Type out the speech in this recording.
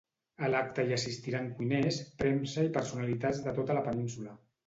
A l'acte hi assistiran cuiners, premsa i personalitats de tota la península.